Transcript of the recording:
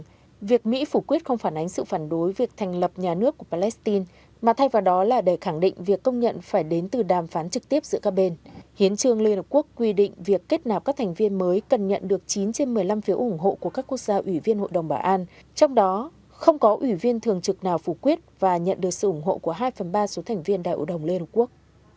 liên hợp quốc cho rằng việc mỹ phủ quyết không phản ánh sự phản đối việc thành lập nhà nước của palestine mà thay vào đó là để khẳng định việc công nhận phải đến từ đàm phán trực tiếp giữa các bên hiến trương liên hợp quốc quy định việc kết nạp các thành viên mới cần nhận được chín trên một mươi năm phiếu ủng hộ của các quốc gia ủy viên hội đồng bảo an trong đó không có ủy viên thường trực nào phủ quyết và nhận được sự ủng hộ của hai phần ba số thành viên đại hội đồng liên hợp quốc